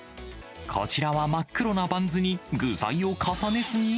こちらは真っ黒なバンズに具材を重ねすぎ？